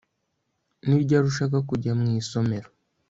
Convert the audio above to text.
Ni ryari ushaka kujya mu isomero